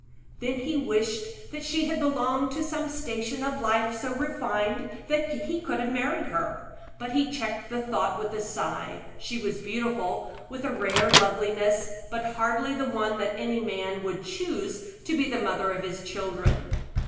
Then he wished that she had belonged to some station of life so refined that he could have married her; but he checked the thought with a sigh. She was beautiful with a rare loveliness, but hardly the one that any man would choose to be the mother of his children.